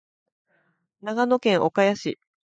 長野県岡谷市